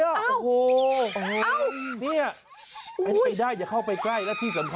วิทยาลัยศาสตร์อัศวิทยาลัยศาสตร์